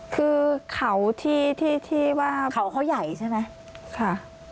คือเขาที่ที่ว่าเขาเขาใหญ่ใช่ไหมค่ะ